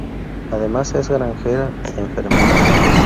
Además es granjera y enfermera.